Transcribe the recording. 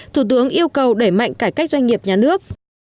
thủ tướng yêu cầu đẩy mạnh cải cách doanh nghiệp nhà nước